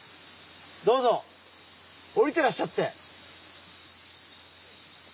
どうぞ下りてらっしゃって。